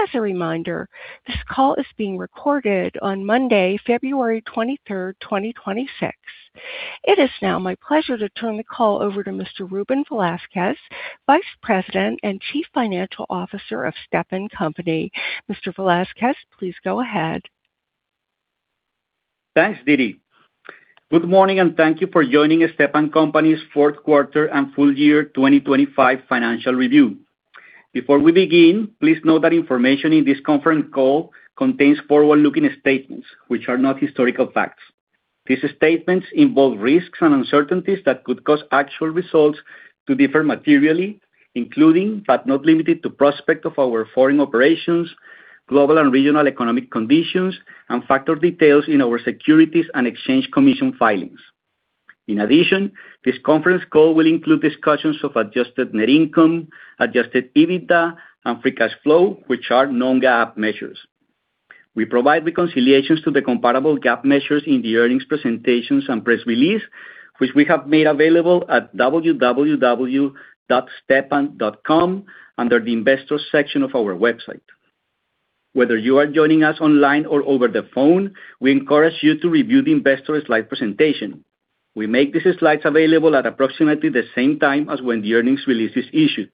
As a reminder, this call is being recorded on Monday, February 23, 2026. It is now my pleasure to turn the call over to Mr. Ruben Velasquez, Vice President and Chief Financial Officer of Stepan Company. Mr. Velasquez, please go ahead. Thanks, Didi. Good morning, thank you for joining Stepan Company's Q4 and full-year 2025 financial review. Before we begin, please note that information in this conference call contains forward-looking statements which are not historical facts. These statements involve risks and uncertainties that could cause actual results to differ materially, including, but not limited to, prospects of our foreign operations, global and regional economic conditions, and factors detailed in our Securities and Exchange Commission filings. In addition, this conference call will include discussions of adjusted net income, adjusted EBITDA, and free cash flow, which are non-GAAP measures. We provide reconciliations to the comparable GAAP measures in the earnings presentations and press release, which we have made available at www.stepan.com, under the Investors section of our website. Whether you are joining us online or over the phone, we encourage you to review the investor slide presentation. We make these slides available at approximately the same time as when the earnings release is issued.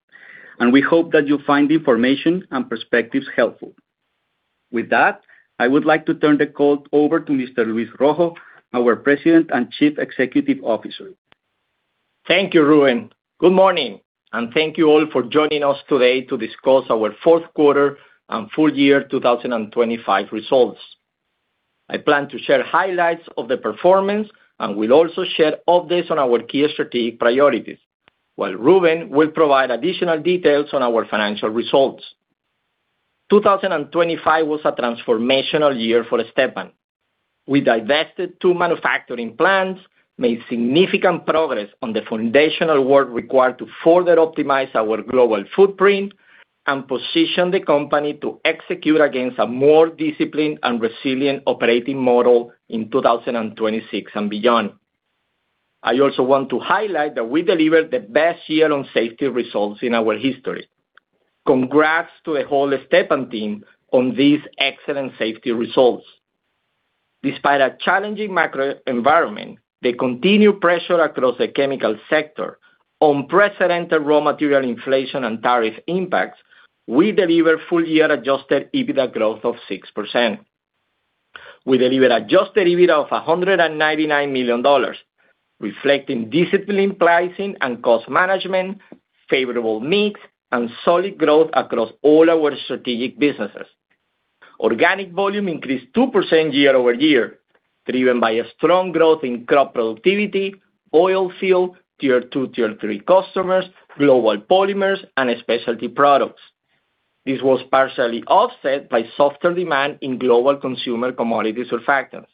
We hope that you'll find the information and perspectives helpful. With that, I would like to turn the call over to Mr. Luis Rojo, our President and Chief Executive Officer. Thank you, Ruben. Good morning, and thank you all for joining us today to discuss our Q4 and full-year 2025 results. I plan to share highlights of the performance, and will also share updates on our key strategic priorities, while Ruben will provide additional details on our financial results. 2025 was a transformational year for Stepan. We divested two manufacturing plants, made significant progress on the foundational work required to further optimize our global footprint, and positioned the company to execute against a more disciplined and resilient operating model in 2026 and beyond. I also want to highlight that we delivered the best year on safety results in our history. Congrats to the whole Stepan team on these excellent safety results. Despite a challenging macro environment, the continued pressure across the chemical sector, unprecedented raw material inflation and tariff impacts, we delivered full-year adjusted EBITDA growth of 6%. We delivered adjusted EBITDA of $199 million, reflecting disciplined pricing and cost management, favorable mix, and solid growth across all our strategic businesses. Organic volume increased 2% year-over-year, driven by strong growth in crop productivity, oil field, Tier 2, Tier 3 customers, global Polymers, and Specialty Products. This was partially offset by softer demand in global consumer commodity surfactants.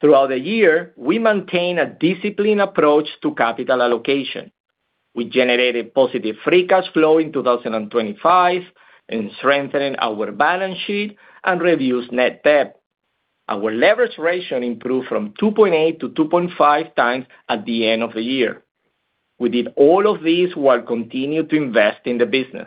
Throughout the year, we maintained a disciplined approach to capital allocation. We generated positive free cash flow in 2025, and strengthened our balance sheet and reduced net debt. Our leverage ratio improved from 2.8x to 2.5x at the end of the year. We did all of this while continuing to invest in the business.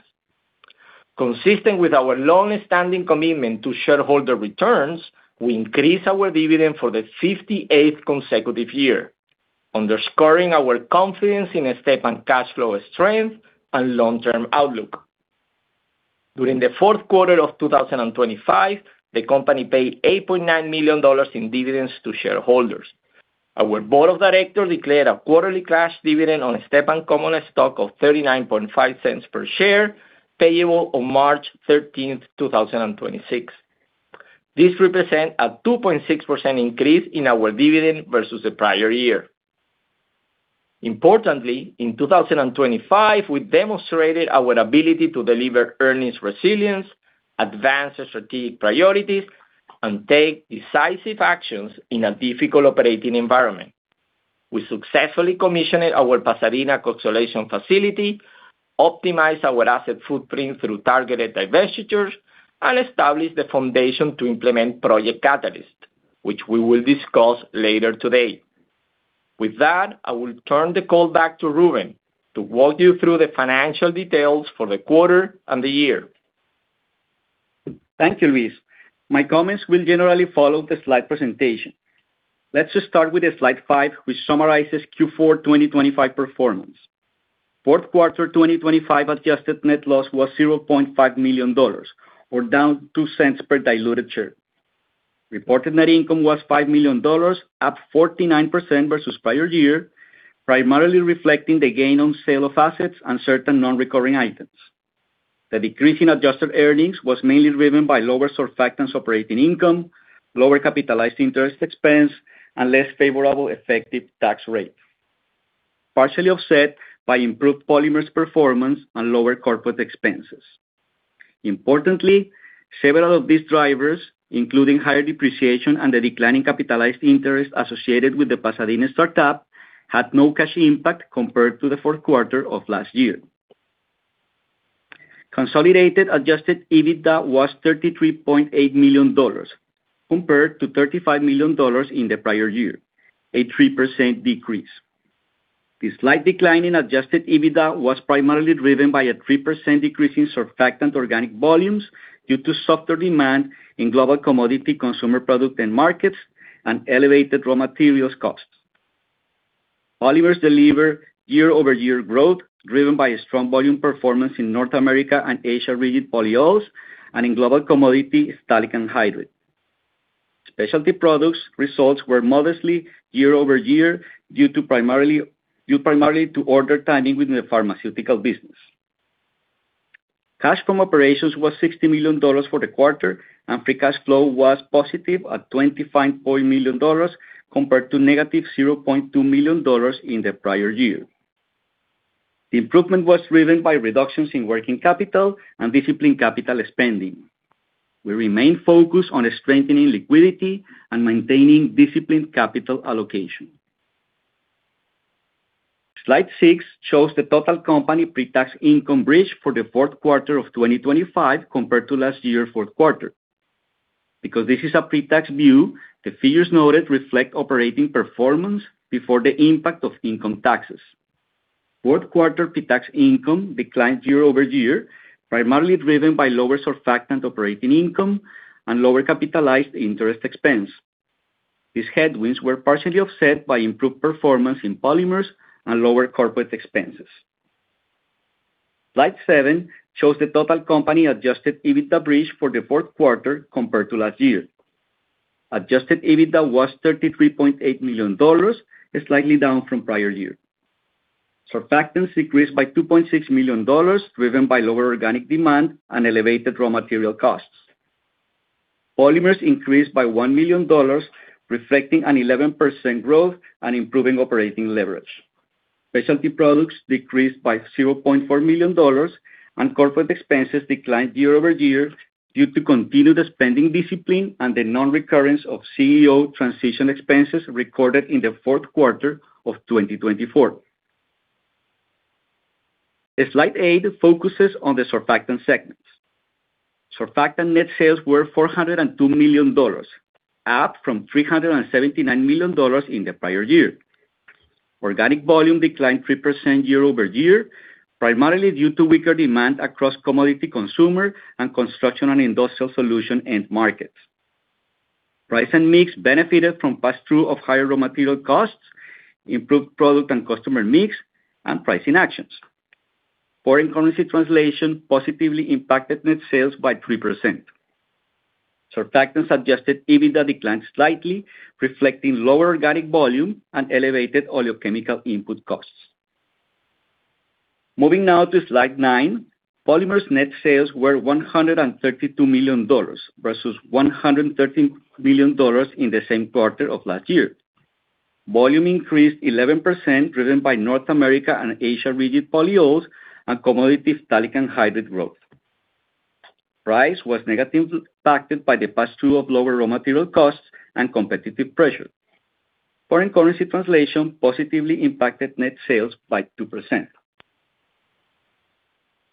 Consistent with our long-standing commitment to shareholder returns, we increased our dividend for the 58th consecutive year, underscoring our confidence in the Stepan cash flow strength and long-term outlook. During the Q4 of 2025, the company paid $8.9 million in dividends to shareholders. Our board of directors declared a quarterly cash dividend on Stepan common stock of $0.395 per share, payable on March 13, 2026. This represents a 2.6% increase in our dividend versus the prior year. Importantly, in 2025, we demonstrated our ability to deliver earnings resilience, advance strategic priorities, and take decisive actions in a difficult operating environment. We successfully commissioned our Pasadena sulfonation facility, optimized our asset footprint through targeted divestitures, and established the foundation to implement Project Catalyst, which we will discuss later today. With that, I will turn the call back to Ruben to walk you through the financial details for the quarter and the year. Thank you, Luis. My comments will generally follow the slide presentation. Let's just start with slide five, which summarizes Q4 2025 performance. Q4 2025 adjusted net loss was $0.5 million, or down $0.02 per diluted share. Reported net income was $5 million, up 49% versus prior year, primarily reflecting the gain on sale of assets and certain non-recurring items. The decrease in adjusted earnings was mainly driven by lower surfactants operating income, lower capitalized interest expense, and less favorable effective tax rate, partially offset by improved Polymers performance and lower corporate expenses. Importantly, several of these drivers, including higher depreciation and the declining capitalized interest associated with the Pasadena startup, had no cash impact compared to the Q4 of last year. Consolidated adjusted EBITDA was $33.8 million, compared to $35 million in the prior year, a 3% decrease. The slight decline in adjusted EBITDA was primarily driven by a 3% decrease in surfactant organic volumes, due to softer demand in global commodity consumer product end markets and elevated raw materials costs. Polymers delivered year-over-year growth, driven by a strong volume performance in North America and Asia rigid polyols, and in global commodity phthalic anhydride. Specialty Products results were modestly year-over-year, due primarily to order timing within the pharmaceutical business. Cash from operations was $60 million for the quarter, and free cash flow was positive at $25 million, compared to -$0.2 million in the prior year. The improvement was driven by reductions in working capital and disciplined capital spending. We remain focused on strengthening liquidity and maintaining disciplined capital allocation. Slide six shows the total company pre-tax income bridge for the Q4 of 2025 compared to last year's Q4. Because this is a pre-tax view, the figures noted reflect operating performance before the impact of income taxes. Q4 pre-tax income declined year-over-year, primarily driven by lower Surfactants operating income and lower capitalized interest expense. These headwinds were partially offset by improved performance in Polymers and lower corporate expenses. Slide seven shows the total company adjusted EBITDA bridge for the Q4 compared to last year. Adjusted EBITDA was $33.8 million, slightly down from prior year. Surfactants decreased by $2.6 million, driven by lower organic demand and elevated raw material costs. Polymers increased by $1 million, reflecting an 11% growth and improving operating leverage. Specialty Products decreased by $0.4 million. Corporate expenses declined year-over-year due to continued spending discipline and the non-recurrence of CEO transition expenses recorded in the Q4 of 2024. Slide eight focuses on the surfactants segment. Surfactant net sales were $402 million, up from $379 million in the prior year. Organic volume declined 3% year-over-year, primarily due to weaker demand across commodity consumer and construction and industrial solution end markets. Price and mix benefited from pass-through of higher raw material costs, improved product and customer mix, and pricing actions. Foreign currency translation positively impacted net sales by 3%. Surfactants adjusted EBITDA declined slightly, reflecting lower organic volume and elevated oleochemical input costs. Moving now to slide nine. Polymers net sales were $132 million, versus $113 million in the same quarter of last year. Volume increased 11%, driven by North America and Asia rigid polyols and commodity phthalic anhydride growth. Price was negatively impacted by the pass-through of lower raw material costs and competitive pressure. Foreign currency translation positively impacted net sales by 2%.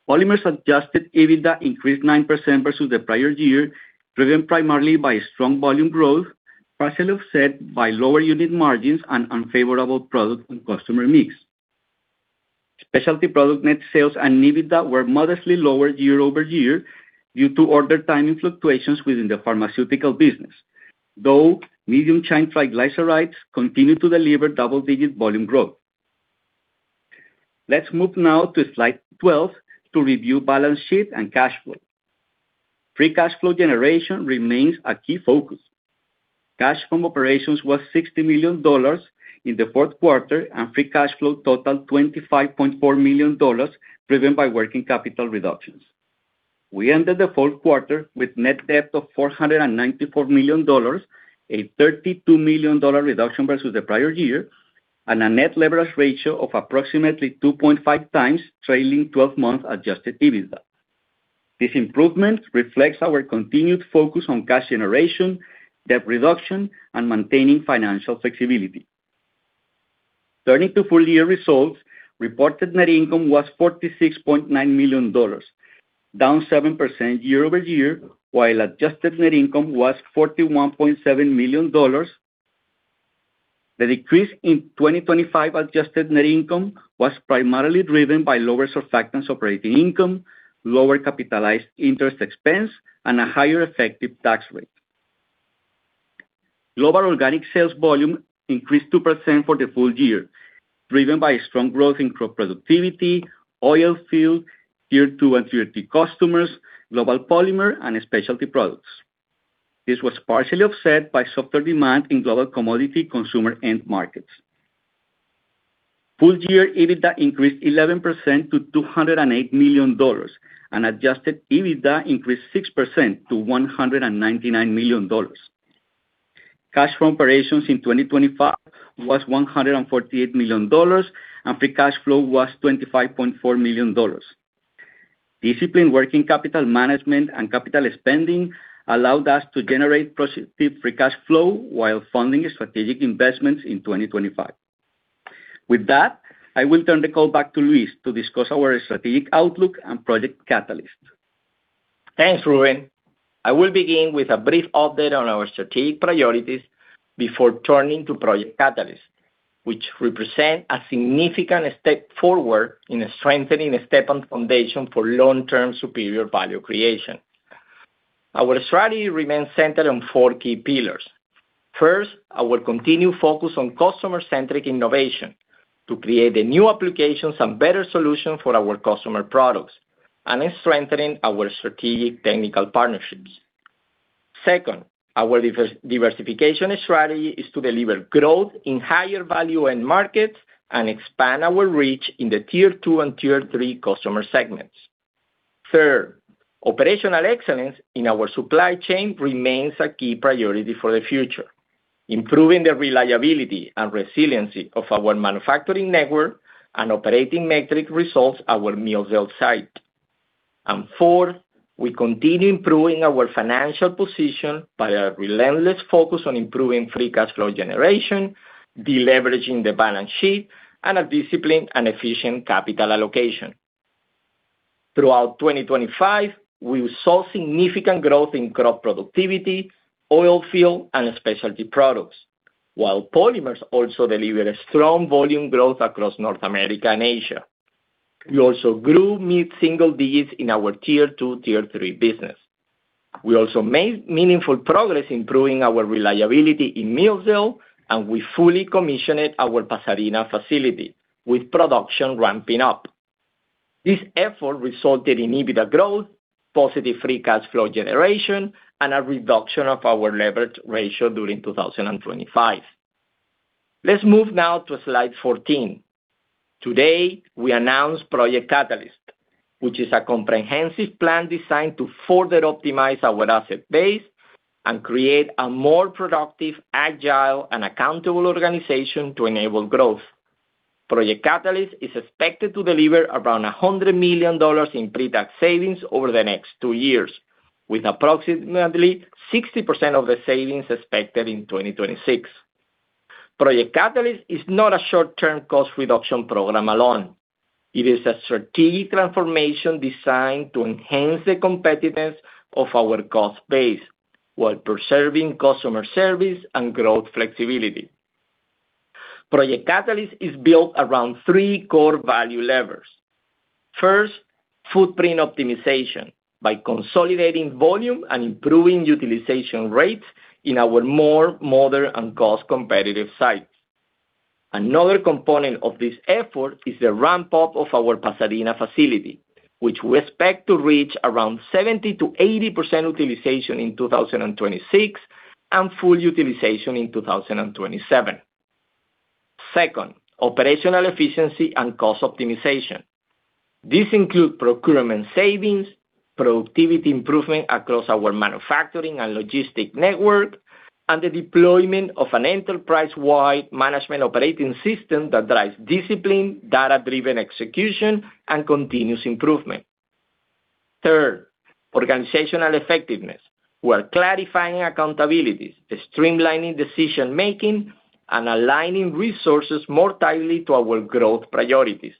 Polymers adjusted EBITDA increased 9% versus the prior year, driven primarily by strong volume growth, partially offset by lower unit margins and unfavorable product and customer mix. Specialty Products net sales and EBITDA were modestly lower year-over-year due to order timing fluctuations within the pharmaceutical business, though medium-chain triglycerides continued to deliver double-digit volume growth. Let's move now to slide 12 to review balance sheet and cash flow. Free cash flow generation remains a key focus. Cash from operations was $60 million in the Q4. Free cash flow totaled $25.4 million, driven by working capital reductions. We ended the Q4 with net debt of $494 million, a $32 million reduction versus the prior year, and a net leverage ratio of approximately 2.5x trailing twelve-month adjusted EBITDA. This improvement reflects our continued focus on cash generation, debt reduction, and maintaining financial flexibility. Turning to full-year results, reported net income was $46.9 million, down 7% year-over-year, while adjusted net income was $41.7 million. The decrease in 2025 adjusted net income was primarily driven by lower surfactants operating income, lower capitalized interest expense, and a higher effective tax rate. Global organic sales volume increased 2% for the full year, driven by strong growth in crop productivity, oil field, Tier 2 and Tier 3 customers, global polymer, and Specialty Products. This was partially offset by softer demand in global commodity consumer end markets. Full-year EBITDA increased 11% to $208 million, and adjusted EBITDA increased 6% to $199 million. Cash from operations in 2025 was $148 million, and free cash flow was $25.4 million. Disciplined working capital management and capital spending allowed us to generate positive free cash flow while funding strategic investments in 2025. With that, I will turn the call back to Luis to discuss our strategic outlook and Project Catalyst. Thanks, Ruben. I will begin with a brief update on our strategic priorities before turning to Project Catalyst, which represents a significant step forward in strengthening Stepan's foundation for long-term superior value creation. Our strategy remains centered on four key pillars. First, our continued focus on customer-centric innovation to create the new applications and better solutions for our customers' products and in strengthening our strategic technical partnerships. Second, our diversification strategy is to deliver growth in higher value-end markets and expand our reach in the Tier 2 and Tier 3 customer segments. Third, operational excellence in our supply chain remains a key priority for the future, improving the reliability and resiliency of our manufacturing network and operating metric results at our Millsdale site. Fourth, we continue improving our financial position by a relentless focus on improving free cash flow generation, deleveraging the balance sheet, and a disciplined and efficient capital allocation. Throughout 2025, we saw significant growth in crop productivity, oil field, and Specialty Products, while Polymers also delivered a strong volume growth across North America and Asia. We also grew mid single-digit in our Tier 2, Tier 3 business. We also made meaningful progress improving our reliability in Millsdale, and we fully commissioned our Pasadena facility, with production ramping up. This effort resulted in EBITDA growth, positive free cash flow generation, and a reduction of our leverage ratio during 2025. Let's move now to slide 14. Today, we announce Project Catalyst, which is a comprehensive plan designed to further optimize our asset base and create a more productive, agile, and accountable organization to enable growth. Project Catalyst is expected to deliver around $100 million in pre-tax savings over the next two years, with approximately 60% of the savings expected in 2026. Project Catalyst is not a short-term cost reduction program alone. It is a strategic transformation designed to enhance the competitiveness of our cost base while preserving customer service and growth flexibility. Project Catalyst is built around three core value levers. First, footprint optimization by consolidating volume and improving utilization rates in our more modern and cost-competitive sites. Another component of this effort is the ramp-up of our Pasadena facility, which we expect to reach around 70%-80% utilization in 2026 and full utilization in 2027. Second, operational efficiency and cost optimization. These include procurement savings, productivity improvements across our manufacturing and logistics network, and the deployment of an enterprise-wide management operating system that drives discipline, data-driven execution, and continuous improvement. Third, organizational effectiveness. We are clarifying accountabilities, streamlining decision-making, and aligning resources more tightly to our growth priorities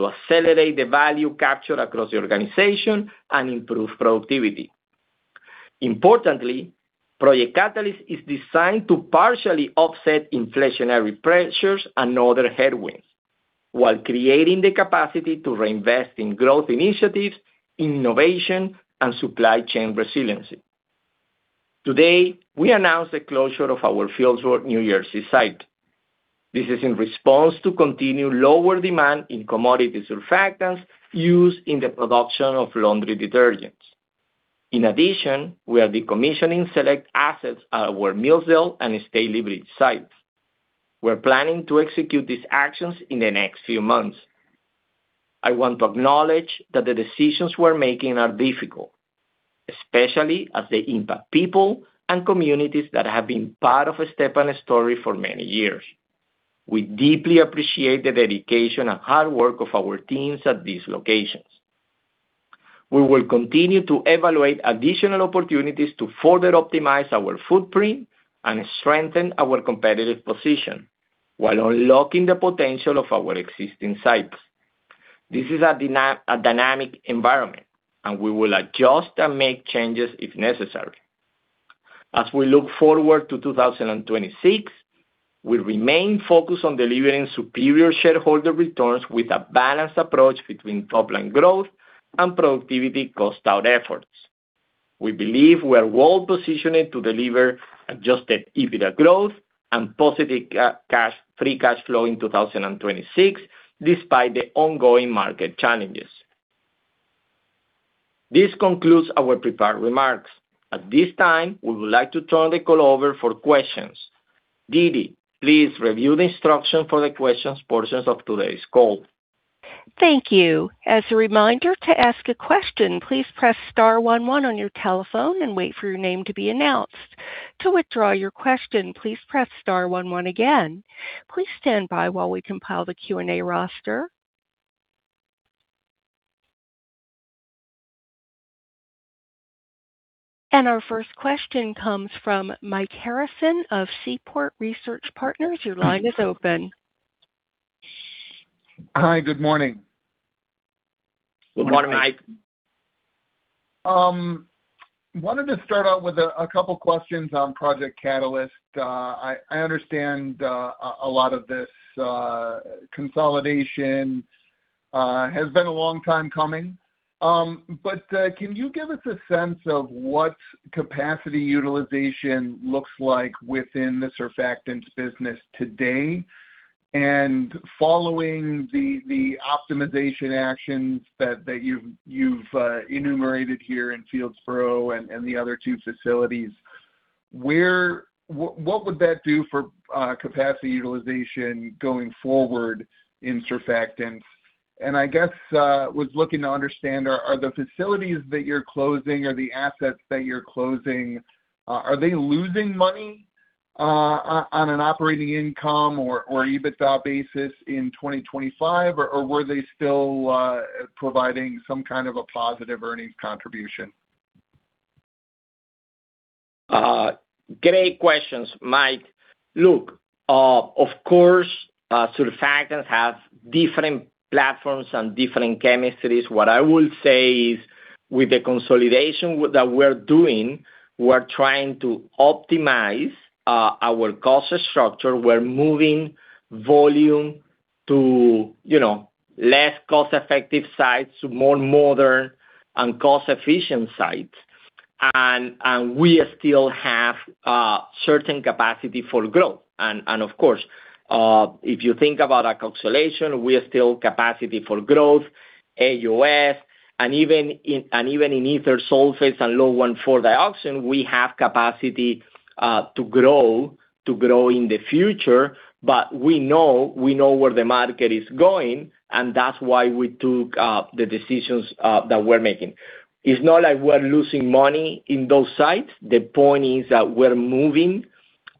to accelerate the value captured across the organization and improve productivity. Importantly, Project Catalyst is designed to partially offset inflationary pressures and other headwinds, while creating the capacity to reinvest in growth initiatives, innovation, and supply chain resiliency. Today, we announced the closure of our Fieldsboro, New Jersey, site. This is in response to continued lower demand in commodity surfactants used in the production of laundry detergents. In addition, we are decommissioning select assets at our Millsdale and Stalybridge sites. We're planning to execute these actions in the next few months. I want to acknowledge that the decisions we're making are difficult, especially as they impact people and communities that have been part of the Stepan story for many years. We deeply appreciate the dedication and hard work of our teams at these locations. We will continue to evaluate additional opportunities to further optimize our footprint and strengthen our competitive position while unlocking the potential of our existing sites. This is a dynamic environment, and we will adjust and make changes if necessary. As we look forward to 2026, we remain focused on delivering superior shareholder returns with a balanced approach between top-line growth and productivity cost out efforts. We believe we are well positioned to deliver adjusted EBITDA growth and positive free cash flow in 2026, despite the ongoing market challenges. This concludes our prepared remarks. At this time, we would like to turn the call over for questions. Didi, please review the instructions for the questions portions of today's call. Thank you. As a reminder, to ask a question, please press star one one on your telephone and wait for your name to be announced. To withdraw your question, please press star one one again. Please stand by while we compile the Q&A roster. Our first question comes from Mike Harrison of Seaport Research Partners. Your line is open. Hi, good morning. Good morning, Mike. Wanted to start out with a couple questions on Project Catalyst. I understand a lot of this consolidation has been a long time coming. Can you give us a sense of what capacity utilization looks like within the surfactants business today? Following the optimization actions that you've, you've enumerated here in Fieldsboro and the other two facilities, what would that do for capacity utilization going forward in surfactants? I guess was looking to understand, are the facilities that you're closing or the assets that you're closing, are they losing money on an operating income or EBITDA basis in 2025, or were they still providing some kind of a positive earnings contribution? Great questions, Mike. Look, of course, surfactants have different platforms and different chemistries. What I will say is, with the consolidation that we're doing, we're trying to optimize our cost structure. We're moving volume to, you know, less cost-effective sites, to more modern and cost-efficient sites. We still have certain capacity for growth. Of course, if you think about alkylation, we have still capacity for growth, AOS, and even in, and even in ether sulfates and low 1,4-dioxane, we have capacity to grow, to grow in the future. We know, we know where the market is going, and that's why we took the decisions that we're making. It's not like we're losing money in those sites. The point is that we're moving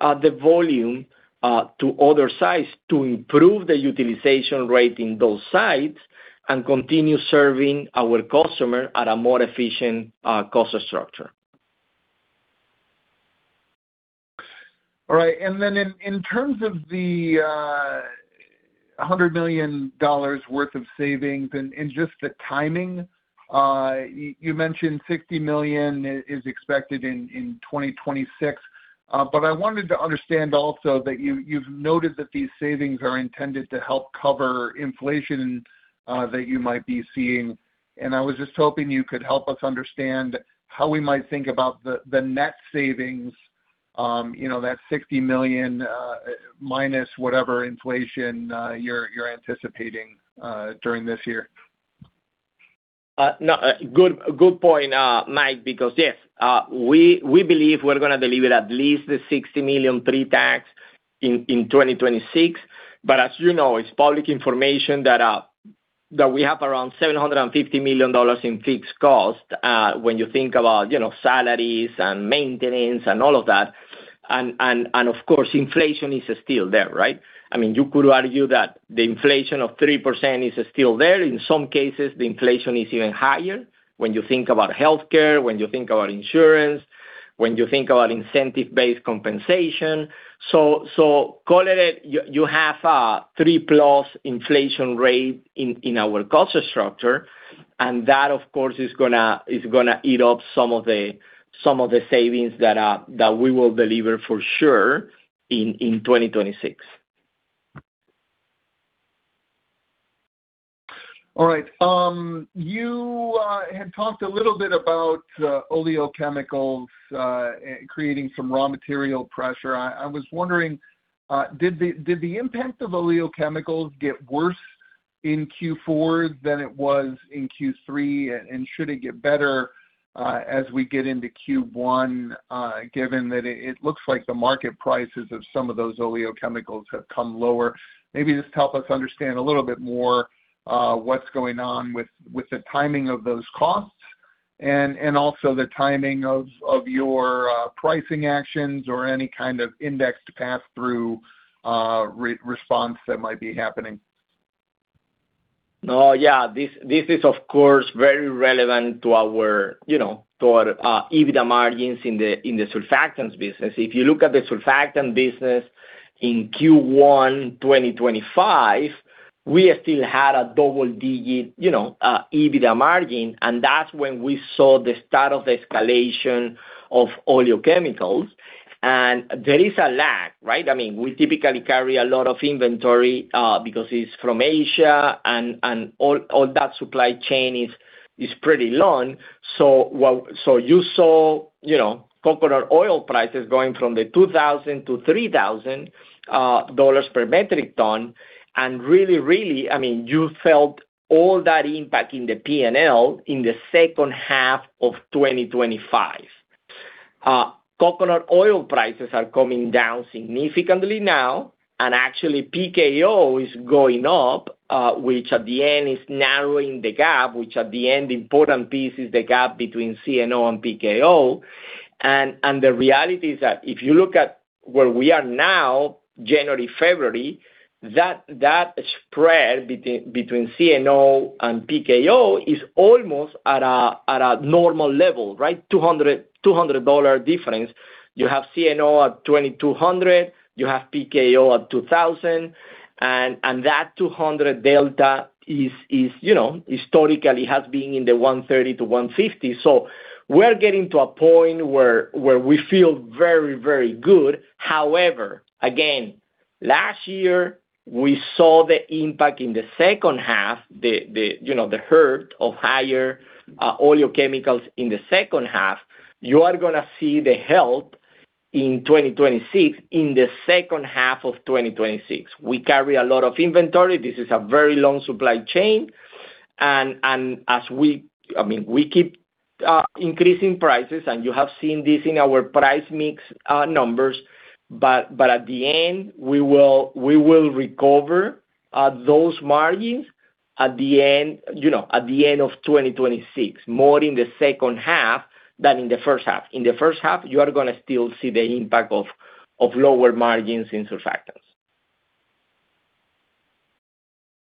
the volume to other sites to improve the utilization rate in those sites and continue serving our customer at a more efficient cost structure. Then in, in terms of the $100 million worth of savings and just the timing, you mentioned $60 million is expected in 2026. I wanted to understand also that you, you've noted that these savings are intended to help cover inflation that you might be seeing. I was just hoping you could help us understand how we might think about the net savings, you know, that $60 million minus whatever inflation you're anticipating during this year. No, good, good point, Mike, because, yes, we, we believe we're gonna deliver at least the $60 million pre-tax in, in 2026. As you know, it's public information that we have around $750 million in fixed costs, when you think about, you know, salaries and maintenance and all of that, and, and, and of course, inflation is still there, right? I mean, you could argue that the inflation of 3% is still there. In some cases, the inflation is even higher when you think about healthcare, when you think about insurance, when you think about incentive-based compensation. so call it, you, you have, 3%+ inflation rate in, in our cost structure, and that, of course, is gonna, is gonna eat up some of the, some of the savings that, that we will deliver for sure in, in 2026. All right. You had talked a little bit about oleochemicals, creating some raw material pressure. I, I was wondering, did the, did the impact of oleochemicals get worse in Q4 than it was in Q3? Should it get better, as we get into Q1, given that it, it looks like the market prices of some of those oleochemicals have come lower? Maybe just help us understand a little bit more, what's going on with, with the timing of those costs and, and also the timing of, of your, pricing actions or any kind of index to pass through, re- response that might be happening. No, yeah, this, this is, of course, very relevant to our, you know, to our EBITDA margins in the surfactants business. If you look at the surfactant business in Q1 2025, we still had a double-digit, you know, EBITDA margin. That's when we saw the start of the escalation of oleochemicals. There is a lag, right? I mean, we typically carry a lot of inventory because it's from Asia, and all that supply chain is pretty long. So you saw, you know, coconut oil prices going from the $2,000 to $3,000 per metric ton, and really, I mean, you felt all that impact in the PNL in the H2 of 2025. coconut oil prices are coming down significantly now, and actually, PKO is going up, which at the end is narrowing the gap, which at the end, the important piece is the gap between CNO and PKO. the reality is that if you look at where we are now, January, February, that, that spread between CNO and PKO is almost at a, at a normal level, right? $200, $200 difference. You have CNO at $2,200, you have PKO at $2,000, and, and that $200 delta is, is, you know, historically has been in the $130-$150. we're getting to a point where, where we feel very, very good. However, again, last year, we saw the impact in the H2, you know, the hurt of higher oleochemicals in the H2. You are gonna see the help in 2026, in the H2 of 2026. We carry a lot of inventory. This is a very long supply chain. I mean, we keep increasing prices, and you have seen this in our price mix numbers, but at the end, we will, we will recover those margins at the end, you know, at the end of 2026, more in the H2 than in the H1. In the H1, you are gonna still see the impact of lower margins in surfactants.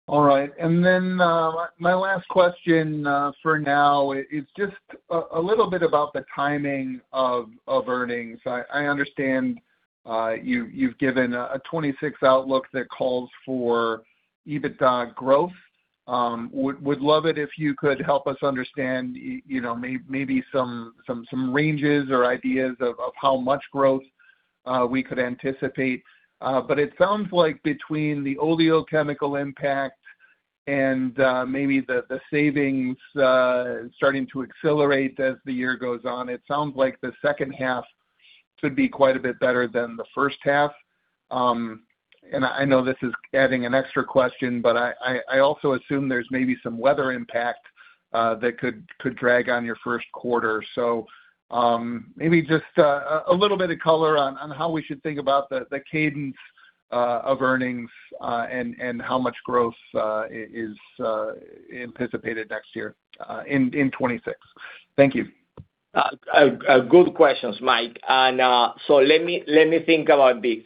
All right. My last question, for now is just a little bit about the timing of earnings. I understand you've given a 2026 outlook that calls for EBITDA growth. Would love it if you could help us understand, you know, maybe some ranges or ideas of how much growth we could anticipate. It sounds like between the oleochemical impact and maybe the savings starting to accelerate as the year goes on, it sounds like the H2 should be quite a bit better than the H1. I know this is adding an extra question, but I also assume there's maybe some weather impact that could drag on your Q1. Maybe just a little bit of color on, on how we should think about the cadence of earnings, and how much growth is anticipated next year, in 2026. Thank you. Good questions, Mike. Let me, let me think about this.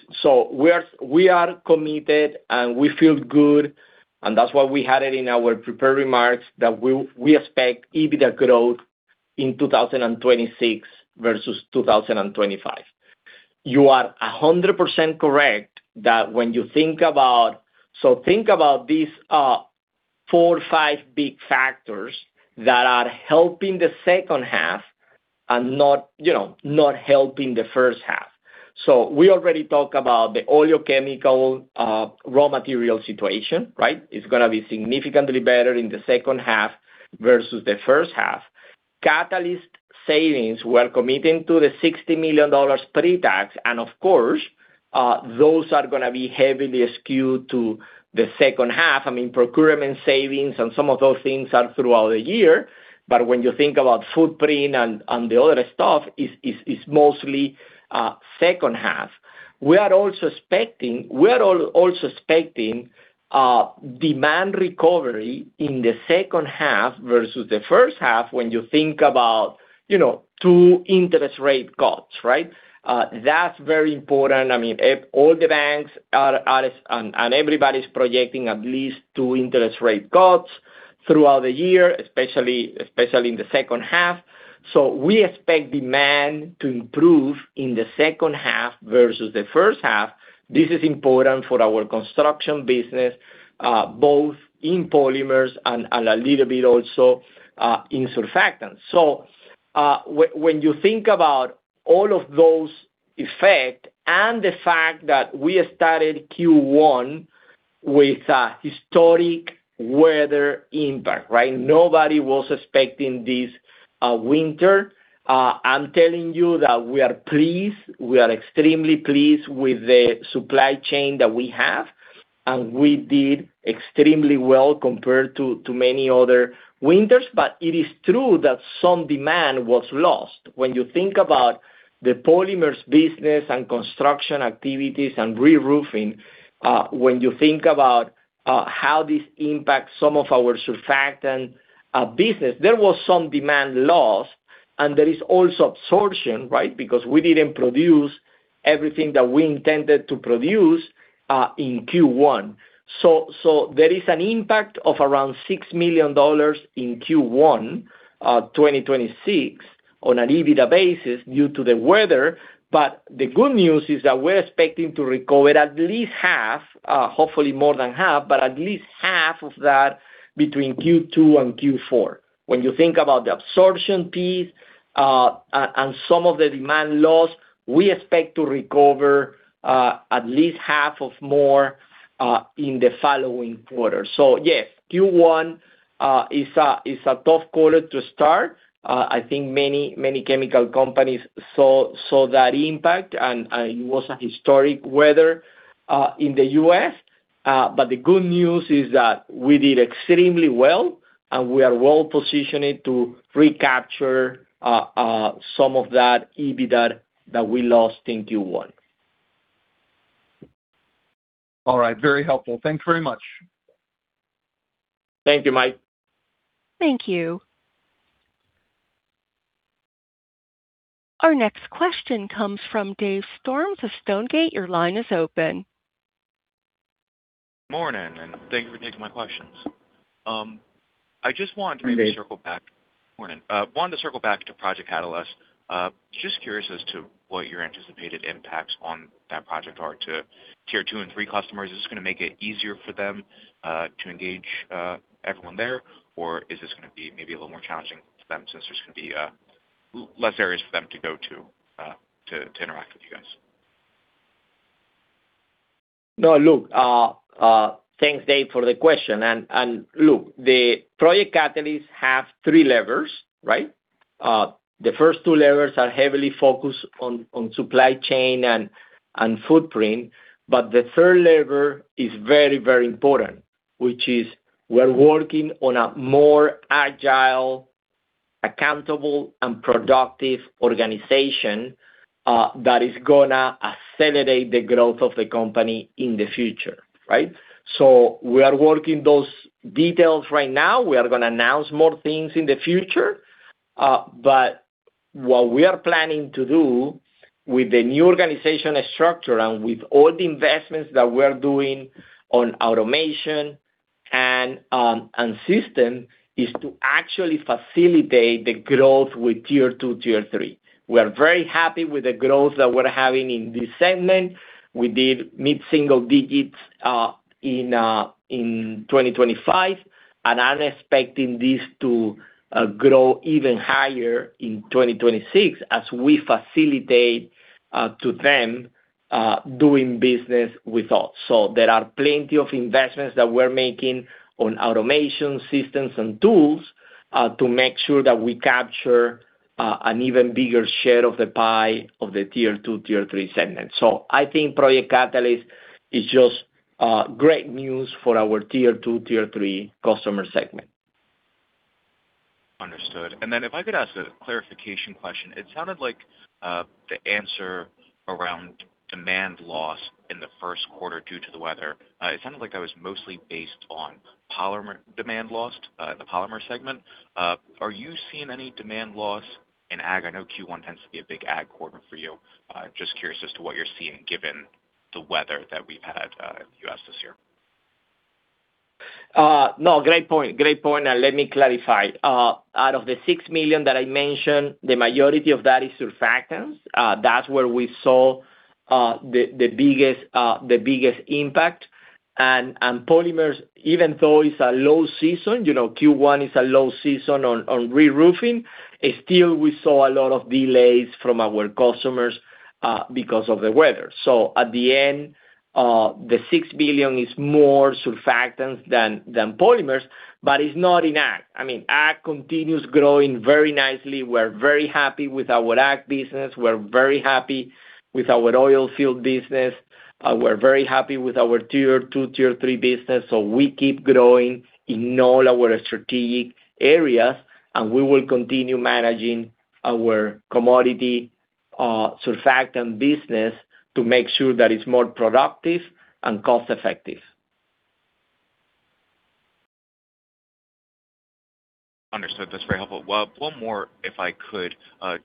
We are, we are committed, and we feel good, and that's why we had it in our prepared remarks that we, we expect EBITDA growth in 2026 versus 2025. You are 100% correct that when you think about. Think about these four, five big factors that are helping the H2 and not, you know, not helping the H1. We already talked about the oleochemical raw material situation, right? It's gonna be significantly better in the H2 versus the H1. Catalyst savings, we're committing to the $60 million pre-tax, and of course, those are gonna be heavily skewed to the H2. I mean, procurement savings and some of those things are throughout the year, but when you think about footprint and the other stuff, is mostly H2. We are also expecting, we are also expecting demand recovery in the H2 versus the H1 when you think about, you know, 2 interest rate cuts, right? That's very important. I mean, all the banks are and everybody's projecting at least 2 interest rate cuts throughout the year, especially, especially in the H2. We expect demand to improve in the H2 versus the H1. This is important for our construction business, both in Polymers and a little bit also in surfactants. When you think about all of those effect and the fact that we started Q1 with a historic weather impact, right? Nobody was expecting this winter. I'm telling you that we are pleased, we are extremely pleased with the supply chain that we have, and we did extremely well compared to many other winters. It is true that some demand was lost. When you think about the Polymers business and construction activities and reroofing, when you think about how this impacts some of our surfactant business, there was some demand loss, and there is also absorption, right? Because we didn't produce everything that we intended to produce in Q1. There is an impact of around $6 million in Q1 2026, on an EBITDA basis due to the weather. The good news is that we're expecting to recover at least half, hopefully more than half, but at least half of that between Q2 and Q4. When you think about the absorption piece, and some of the demand loss, we expect to recover at least half of more in the following quarter. Yes, Q1 is a tough quarter to start. I think many, many chemical companies saw that impact, and it was a historic weather in the U.S. The good news is that we did extremely well, and we are well positioned to recapture some of that EBITDA that we lost in Q1. All right, very helpful. Thanks very much. Thank you, Mike. Thank you. Our next question comes from Dave Storms of Stonegate. Your line is open. Morning. Thank you for taking my questions. I just want to maybe circle back. Good day. Morning. wanted to circle back to Project Catalyst. just curious as to what your anticipated impacts on that project are to Tier 2 and 3 customers. Is this going to make it easier for them to engage everyone there? Or is this going to be maybe a little more challenging for them since there's going to be less areas for them to go to interact with you guys? No, look, thanks, Dave, for the question. Look, the Project Catalyst have three levers, right? The first two levers are heavily focused on, on supply chain and, and footprint, but the third lever is very, very important, which is we're working on a more agile, accountable, and productive organization that is gonna accelerate the growth of the company in the future, right? We are working those details right now. We are going to announce more things in the future. But what we are planning to do with the new organizational structure and with all the investments that we're doing on automation and system, is to actually facilitate the growth with Tier 2, Tier 3. We are very happy with the growth that we're having in this segment. We did mid single-digit in 2025, and I'm expecting this to grow even higher in 2026 as we facilitate to them doing business with us. There are plenty of investments that we're making on automation systems and tools to make sure that we capture an even bigger share of the pie of the Tier 2, Tier 3 segment. I think Project Catalyst is just great news for our Tier 2, Tier 3 customer segment. Understood. If I could ask a clarification question. It sounded like the answer around demand loss in the Q1 due to the weather, it sounded like that was mostly based on Polymers demand lost in the Polymers segment. Are you seeing any demand loss in ag? I know Q1 tends to be a big ag quarter for you. Just curious as to what you're seeing given the weather that we've had in the U.S. this year. No, great point. Great point, let me clarify. Out of the $6 million that I mentioned, the majority of that is surfactants. That's where we saw the biggest impact. Polymers, even though it's a low season, you know, Q1 is a low season on reroofing, still we saw a lot of delays from our customers because of the weather. At the end, the $6 billion is more surfactants than Polymers, but it's not in ag. I mean, ag continues growing very nicely. We're very happy with our ag business. We're very happy with our oil field business. We're very happy with our Tier 2, Tier 3 business. We keep growing in all our strategic areas, and we will continue managing our commodity, surfactant business to make sure that it's more productive and cost effective. Understood. That's very helpful. Well, one more, if I could,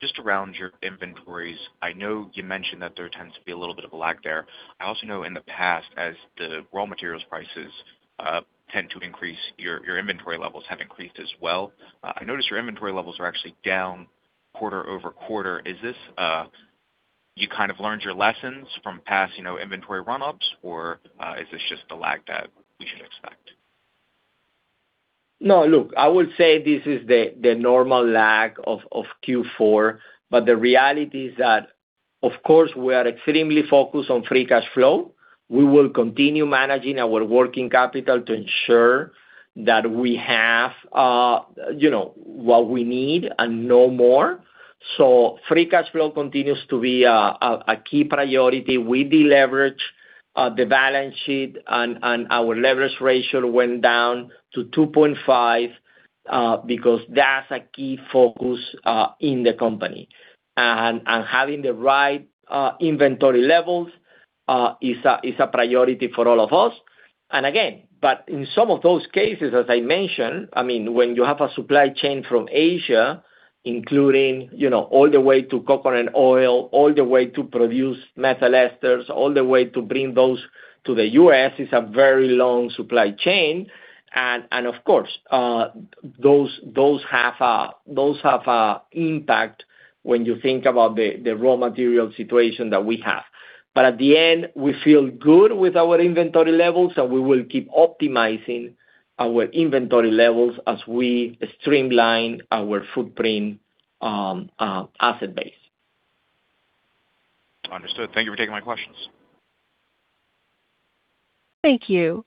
just around your inventories. I know you mentioned that there tends to be a little bit of a lag there. I also know in the past, as the raw materials prices, tend to increase, your, your inventory levels have increased as well. I noticed your inventory levels are actually down quarter-over-quarter. Is this you kind of learned your lessons from past, you know, inventory run-ups, or is this just the lag that we should expect? Look, I would say this is the, the normal lag of, of Q4, but the reality is that, of course, we are extremely focused on free cash flow. We will continue managing our working capital to ensure that we have, you know, what we need and no more. Free cash flow continues to be a key priority. We deleverage, the balance sheet and, and our leverage ratio went down to 2.5, because that's a key focus, in the company. Having the right, inventory levels is a priority for all of us. Again, but in some of those cases, as I mentioned, when you have a supply chain from Asia, including all the way to coconut oil, all the way to produce methyl esters, all the way to bring those to the U.S., it's a very long supply chain. Of course, those have an impact when you think about the raw material situation that we have. At the end, we feel good with our inventory levels, and we will keep optimizing our inventory levels as we streamline our footprint asset base. Understood. Thank you for taking my questions. Thank you.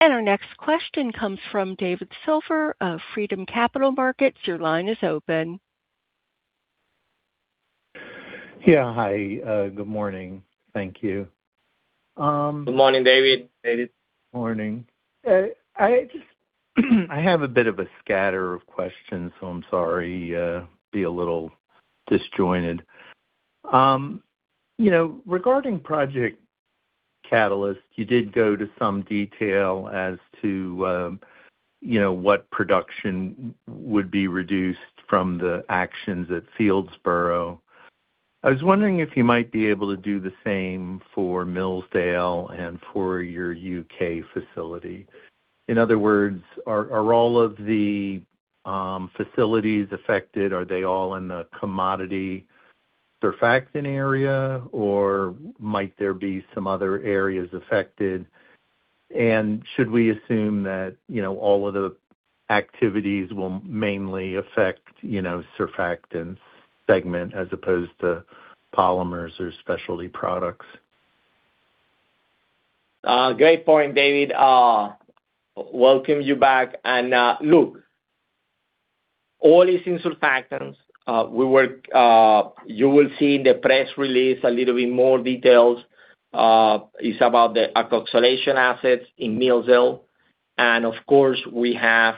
Our next question comes from David Silver of Freedom Capital Markets. Your line is open. Yeah. Hi, good morning. Thank you. Good morning, David. David? Morning. I just, I have a bit of a scatter of questions, so I'm sorry, be a little disjointed. You know, regarding Project Catalyst, you did go to some detail as to, you know, what production would be reduced from the actions at Fieldsboro. I was wondering if you might be able to do the same for Millsdale and for your U.K. facility. In other words, are all of the facilities affected, are they all in the commodity surfactant area, or might there be some other areas affected? Should we assume that, you know, all of the activities will mainly affect, you know, surfactants segment as opposed to Polymers or Specialty Products? Great point, David. Welcome you back. Look, all these in surfactants, we work, you will see in the press release a little bit more details. It's about the ethoxylation assets in Millsdale, and of course, we have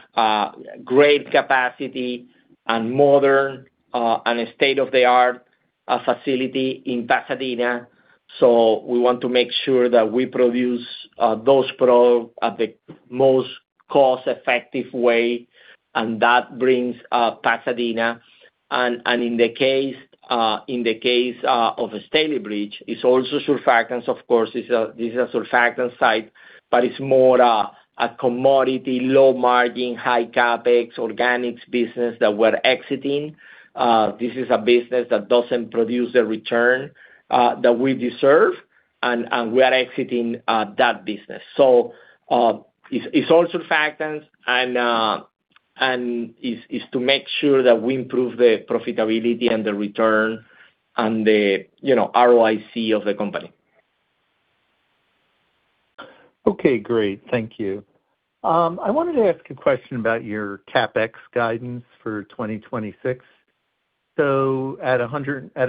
great capacity and modern, and a state-of-the-art, facility in Pasadena, so we want to make sure that we produce those products at the most cost-effective way, and that brings Pasadena. In the case, in the case, of a Stalybridge, it's also surfactants, of course, this is a surfactant site, but it's more a, a commodity, low margin, high CapEx, organics business that we're exiting. This is a business that doesn't produce a return, that we deserve, and we are exiting, that business. It's, it's all surfactants and, and it's, it's to make sure that we improve the profitability and the return and the, you know, ROIC of the company. Okay, great. Thank you. I wanted to ask a question about your CapEx guidance for 2026. At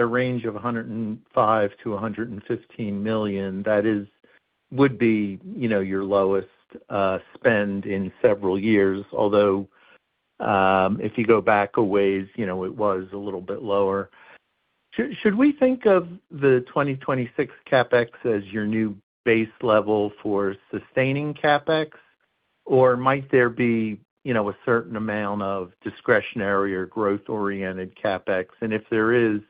a range of $105 million-$115 million, that is, would be, you know, your lowest spend in several years. Although, if you go back a ways, you know, it was a little bit lower. Should we think of the 2026 CapEx as your new base level for sustaining CapEx, or might there be, you know, a certain amount of discretionary or growth-oriented CapEx? If there is,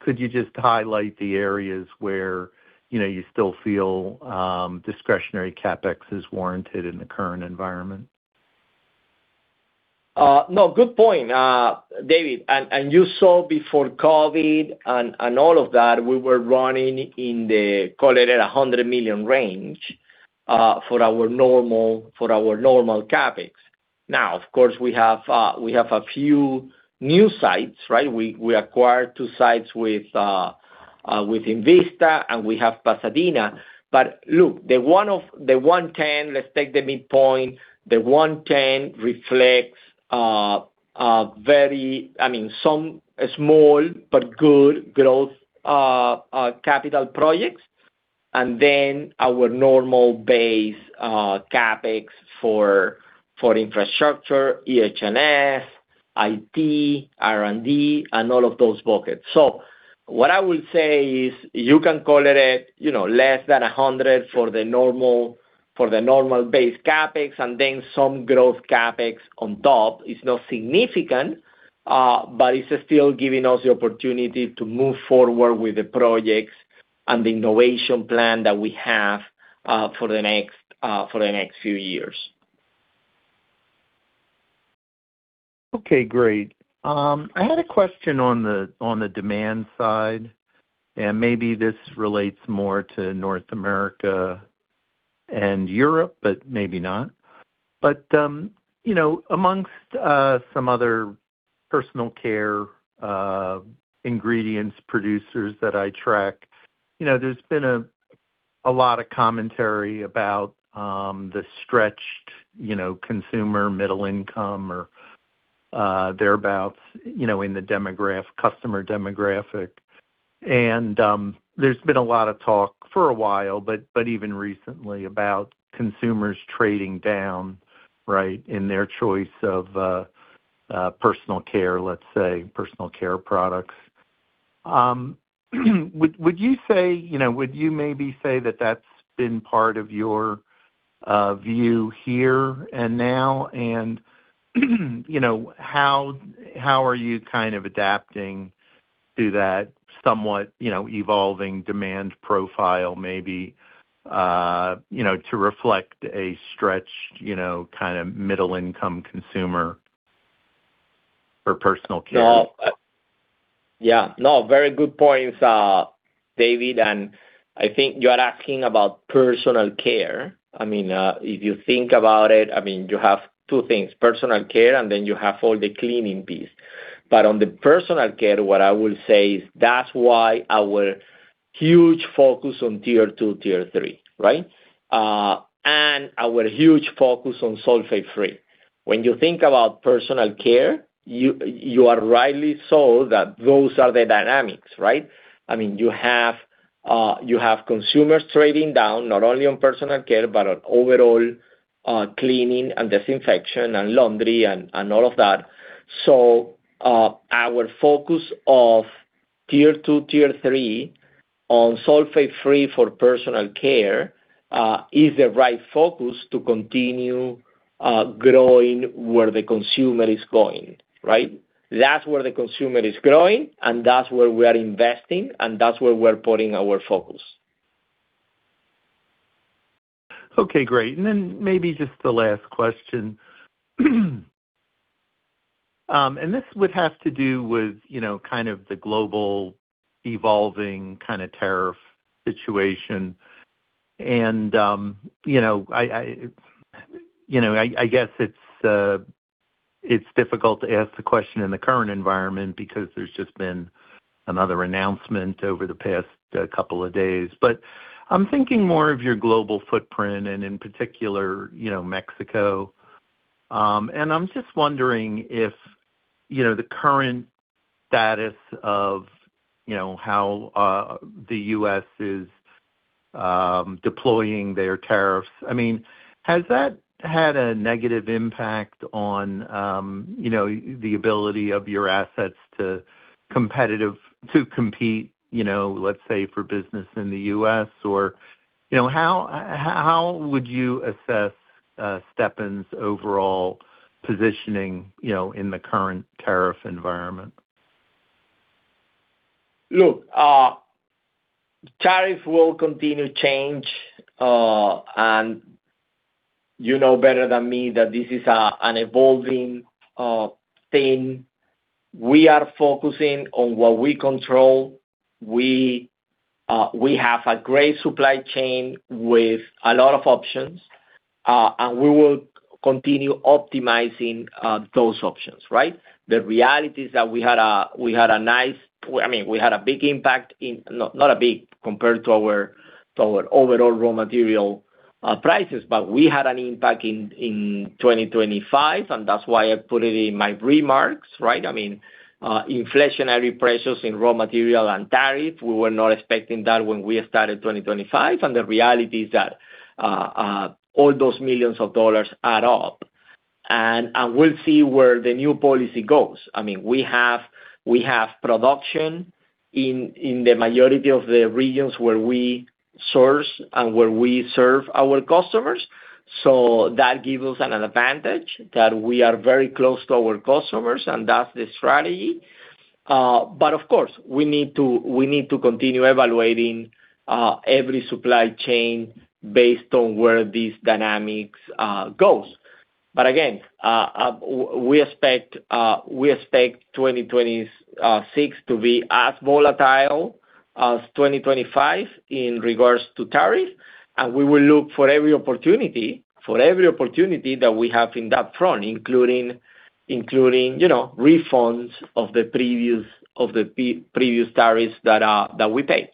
could you just highlight the areas where, you know, you still feel discretionary CapEx is warranted in the current environment? No, good point, David. You saw before COVID and all of that, we were running in the, call it a $100 million range, for our normal, for our normal CapEx. Now, of course, we have, we have a few new sites, right? We, we acquired two sites with INVISTA, and we have Pasadena. Look, the $110, let's take the midpoint, the $110 reflects a very, I mean, some small but good growth capital projects, and then our normal base CapEx for infrastructure, EH&S, IT, R&D, and all of those buckets. What I will say is, you can call it a, you know, less than $100 for the normal, for the normal base CapEx, and then some growth CapEx on top. It's not significant, but it's still giving us the opportunity to move forward with the projects and the innovation plan that we have, for the next, for the next few years. Okay, great. I had a question on the, on the demand side, maybe this relates more to North America and Europe, but maybe not. You know, amongst some other personal care ingredients, producers that I track, you know, there's been a lot of commentary about the stretched, you know, consumer middle income or thereabout, you know, in the customer demographic. There's been a lot of talk for a while, but even recently about consumers trading down, right, in their choice of personal care, let's say, personal care products. Would you say, you know, would you maybe say that that's been part of your view here and now? you know, how, how are you kind of adapting to that somewhat, you know, evolving demand profile, maybe, you know, to reflect a stretched, you know, kind of middle-income consumer for personal care? No. Yeah. No, very good points, David, and I think you are asking about personal care. I mean, if you think about it, I mean, you have two things: personal care, and then you have all the cleaning piece. On the personal care, what I will say is that's why our huge focus on Tier 2, Tier 3, right? And our huge focus on sulfate-free. When you think about personal care, you, you are rightly so that those are the dynamics, right? I mean, you have, you have consumers trading down, not only on personal care, but on overall, cleaning and disinfection and laundry and, and all of that. Our focus of Tier 2, Tier 3 on sulfate-free for personal care is the right focus to continue, growing where the consumer is going, right? That's where the consumer is growing, and that's where we are investing, and that's where we're putting our focus. Okay, great. Then maybe just the last question. This would have to do with, you know, kind of the global evolving kind of tariff situation. You know, I, I, you know, I, I guess it's, it's difficult to ask the question in the current environment because there's just been another announcement over the past couple of days. I'm thinking more of your global footprint and in particular, you know, Mexico. I'm just wondering if, you know, the current status of, you know, how the U.S. is deploying their tariffs, I mean, has that had a negative impact on, you know, the ability of your assets to competitive, to compete, you know, let's say, for business in the U.S.? You know, how, how would you assess Stepan's overall positioning, you know, in the current tariff environment? Look, tariff will continue to change, and you know better than me that this is a, an evolving, thing. We are focusing on what we control. We, we have a great supply chain with a lot of options, and we will continue optimizing, those options, right. The reality is that we had a, we had a nice, I mean, we had a big impact on. Not a big compared to our, to our overall raw material, prices, but we had an impact in, in 2025, and that's why I put it in my remarks, right. I mean, inflationary pressures in raw material and tariff, we were not expecting that when we started 2025. The reality is that, all those millions of dollars add up. We'll see where the new policy goes. I mean, we have, we have production in the majority of the regions where we source and where we serve our customers, so that gives us an advantage, that we are very close to our customers, and that's the strategy. Of course, we need to, we need to continue evaluating, every supply chain based on where these dynamics go. Again, we expect, we expect 2026 to be as volatile as 2025 in regards to tariff, and we will look for every opportunity, for every opportunity that we have in that front, including refunds of the previous tariffs that we paid.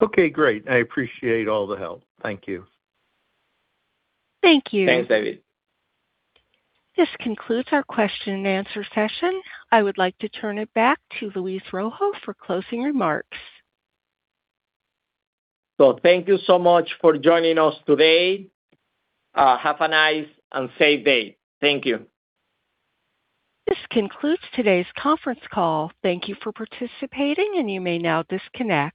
Okay, great. I appreciate all the help. Thank you. Thank you. Thanks, David. This concludes our question and answer session. I would like to turn it back to Luis Rojo for closing remarks. Thank you so much for joining us today. Have a nice and safe day. Thank you. This concludes today's conference call. Thank you for participating. You may now disconnect.